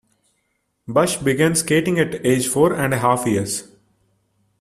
Busch began skating at age four and a half years.